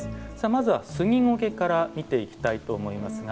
まずはスギゴケから見ていきたいと思いますが。